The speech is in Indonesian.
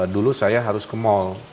dulu saya harus ke mal